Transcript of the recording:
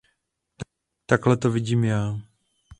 Takhle to vidím já.